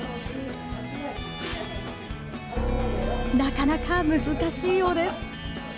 なかなか難しいようです。